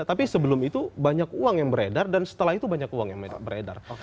tapi sebelum itu banyak uang yang beredar dan setelah itu banyak uang yang beredar